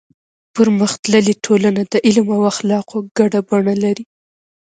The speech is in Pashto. پرمختللې ټولنه د علم او اخلاقو ګډه بڼه لري.